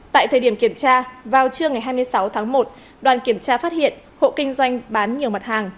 tại thời điểm kiểm tra vào trưa ngày hai mươi sáu tháng một đoàn kiểm tra phát hiện hộ kinh doanh bán nhiều mặt hàng